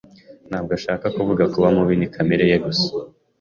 Ntabwo ashaka kuvuga kuba mubi. Ni kamere ye gusa.